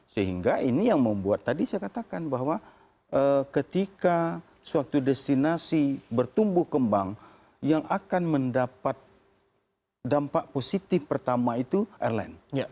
sehingga ini yang membuat tadi saya katakan bahwa ketika suatu destinasi bertumbuh kembang yang akan mendapat dampak positif pertama itu airline